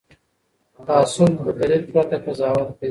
تعصب له دلیل پرته قضاوت دی